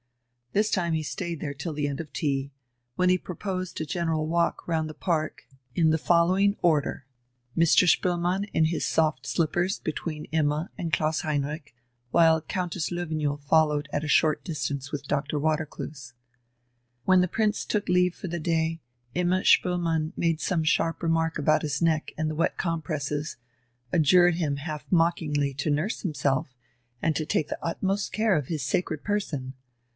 This time he stayed there till the end of tea, when he proposed a general walk round the park, in the following order: Mr. Spoelmann in his soft slippers between Imma and Klaus Heinrich, while Countess Löwenjoul followed at a short distance with Dr. Watercloose. When the Prince took leave for the day, Imma Spoelmann made some sharp remark about his neck and the wet compresses, adjured him half mockingly to nurse himself and to take the utmost care of his sacred person.